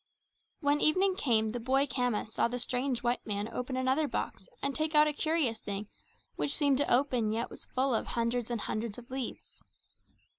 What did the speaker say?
When evening came the boy Khama saw the strange white man open another box and take out a curious thing which seemed to open yet was full of hundreds and hundreds of leaves.